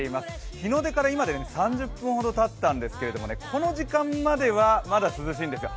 日の出から今で３０分ほどたったんですけどこの時間まではまだ涼しいんですよ。